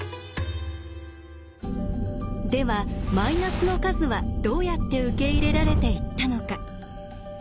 ではマイナスの数はどうやって受け入れられていったのか。